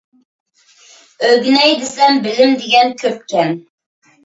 ئۆگىنەي دېسە بىلىم دېگەن كۆپكەن.